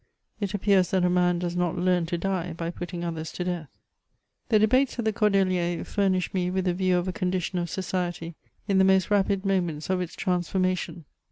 It appears that a man does not leam to die, hy putting odiers to dearth. The debates at the Cordeliers fiimished me with ^e view of a condition ci society in the most rapid mom^ats of its trans formation.